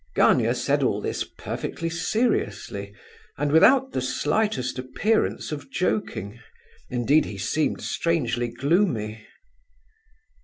Gania said all this perfectly seriously, and without the slightest appearance of joking; indeed, he seemed strangely gloomy.